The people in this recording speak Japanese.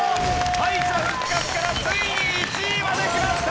敗者復活からついに１位まできました！